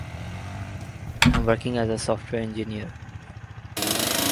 Results are for mayoral elections unless otherwise specified.